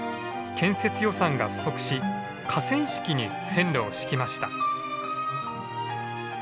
建設予算が不足し河川敷に線路を敷きました。